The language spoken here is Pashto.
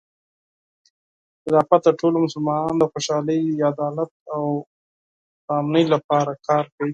خلافت د ټولو مسلمانانو د خوشحالۍ، عدالت، او پرامنۍ لپاره کار کوي.